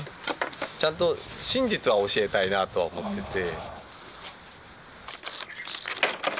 ちゃんと真実は教えたいなと思ってて。